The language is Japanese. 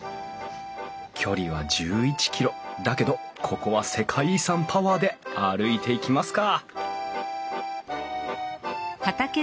距離は１１ｋｍだけどここは世界遺産パワーで歩いていきますか！